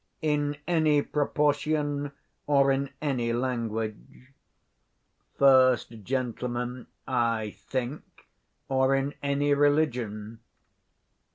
_ In any proportion or in any language. First Gent. I think, or in any religion.